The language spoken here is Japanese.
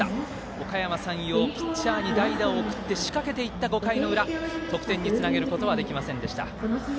おかやま山陽ピッチャーに代打を送って仕掛けていった５回の裏得点につなげることはできませんでした。